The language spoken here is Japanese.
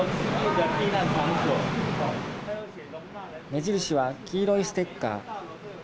目印は黄色いステッカー。